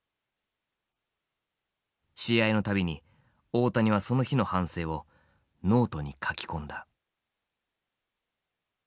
試合の度に大谷はその日の反省をノートに書き込んだ。